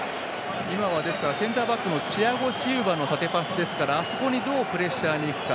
今はセンターバックのチアゴ・シウバの縦パスですからあそこにどうプレッシャーにいくか。